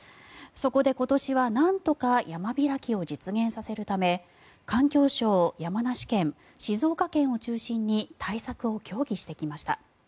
そこで今年はなんとか山開きを実現させるため環境省、山梨県、静岡県を中心に対策を協議してきました。